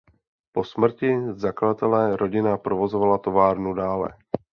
Po smrti zakladatele rodina provozovala továrnu dále.